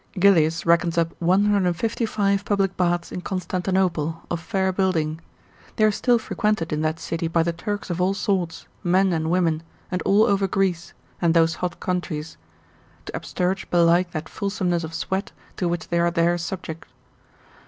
Gillius, l. 4. cap. ult. Topogr. Constant. reckons up 155 public baths in Constantinople, of fair building; they are still frequented in that city by the Turks of all sorts, men and women, and all over Greece, and those hot countries; to absterge belike that fulsomeness of sweat, to which they are there subject.